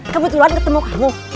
kebetulan ketemu kamu